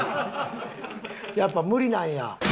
やっぱ無理なんや。